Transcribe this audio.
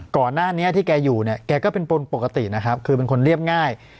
ก่อนหน้านี้ที่แกอยู่เนี่ยแกก็เป็นคนปกตินะครับคือเป็นคนเรียบง่าย